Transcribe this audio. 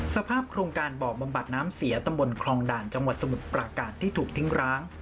สภาพโครงการบ่อบำบัดน้ำเสียตำบลคลองด่านจังหวัดสมุทรประการที่ถูกทิ้งร้าง